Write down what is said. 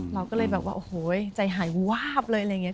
เราก็เลยแบบว่าโอ้โหใจหายวาบเลยอะไรอย่างนี้